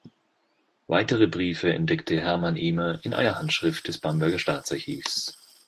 Weitere Briefe entdeckte Hermann Ehmer in einer Handschrift des Bamberger Staatsarchivs.